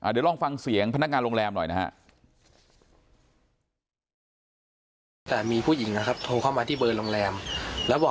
เดี๋ยวลองฟังเสียงพนักงานโรงแรมหน่อยนะฮะ